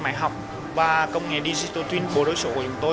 mạng học và công nghệ digital twin của đối số của chúng tôi